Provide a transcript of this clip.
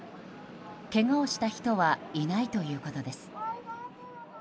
けがをした人はいないということです。